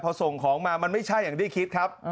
พอส่งของมามันไม่ใช่อย่างที่คิดครับ